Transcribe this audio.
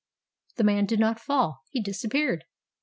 The man did not fall. He disappeared.